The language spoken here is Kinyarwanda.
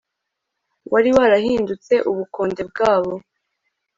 wari warahindutse ubukonde bwabo